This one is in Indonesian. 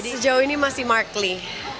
sejauh ini masih mark lee